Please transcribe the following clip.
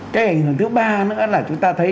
cái ảnh hưởng thứ ba nữa là chúng ta thấy